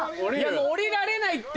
もう降りられないって！